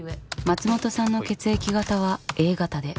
松本さんの血液型はＡ型で。